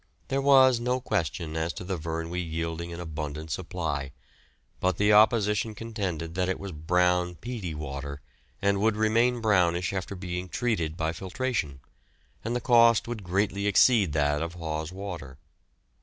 There was no question as to the Vyrnwy yielding an abundant supply, but the opposition contended that it was brown peaty water, and would remain brownish after being treated by filtration, and the cost would greatly exceed that of Hawes Water.